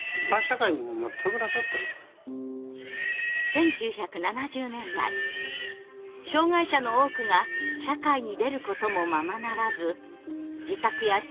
１９７０年代障害者の多くが社会に出ることもままならず自宅や施設の中で過ごしていました。